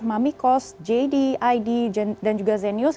mamikos jd id dan juga zenius